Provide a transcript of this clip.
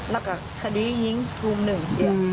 แล้วก็คดียิงกลุ่มหนึ่ง